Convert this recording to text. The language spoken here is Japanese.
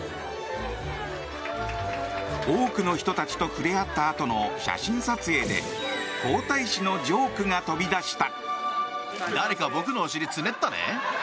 多くの人たちと触れ合ったあとの写真撮影で皇太子のジョークが飛び出した。